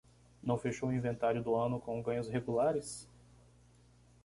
Não fechou o inventário do ano com ganhos regulares?